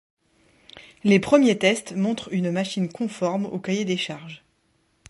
Les premiers tests montrent une machine conforme au cahier des charges.